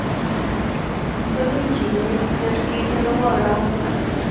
بلې جینۍ سترګې درواړولې